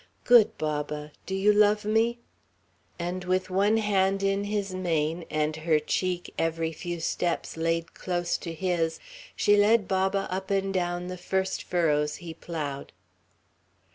Good Baba, do you love me?" and with one hand in his mane, and her cheek, every few steps, laid close to his, she led Baba up and down the first furrows he ploughed.